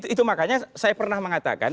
itu makanya saya pernah mengatakan